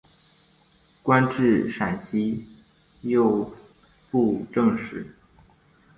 官至陕西右布政使。